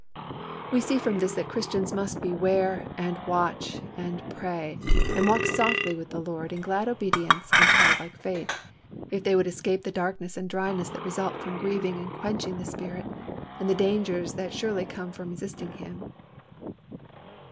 We see from this that Christians must beware and watch and pray and walk softly with the Lord in glad obedience and childlike faith, if they would escape the darkness and dryness that result from grieving and quenching the Spirit, and the dangers that surely come from resisting Him.